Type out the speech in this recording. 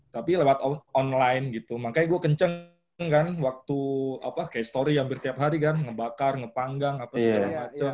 tapi lewat online gitu makanya gue kenceng kan waktu kayak story hampir tiap hari kan ngebakar ngepanggang apa segala macam